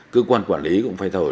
cơ quan quản lý cũng phải thổi được